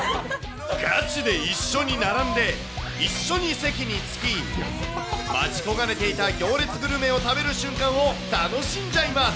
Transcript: ガチで一緒に並んで、一緒に席に着き、待ち焦がれていた行列グルメを食べる瞬間を楽しんじゃいます。